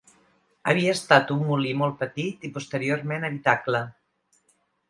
Havia estat un molí molt petit i posteriorment habitacle.